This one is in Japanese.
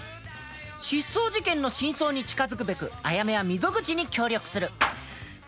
失踪事件の真相に近づくべくあやめは溝口に協力する。